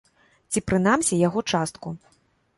Ці, прынамсі, яго частку.